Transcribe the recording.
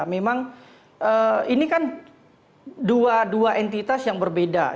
memang ini kan dua entitas yang berbeda